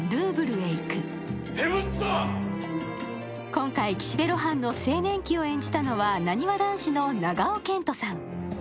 今回、岸辺露伴の青年期を演じたのはなにわ男子の長尾謙杜さん。